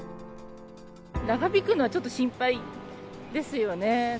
長引くのはちょっと心配ですよね。